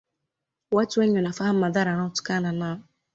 Watu wengi wanafahamu madhara yanayotokana na